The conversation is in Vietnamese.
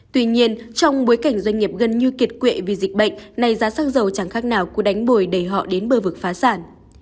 tuy nhiên trong bối cảnh doanh nghiệp gần như kiệt quệ vì dịch bệnh này giá xăng dầu chẳng khác nào cũng đánh bồi để họ đến bơ vực phá sản